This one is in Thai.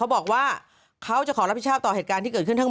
อีกแล้วคุณจะต้องโดนเอง